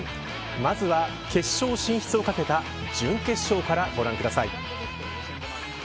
まずは決勝進出をかけた準決勝からご覧ください。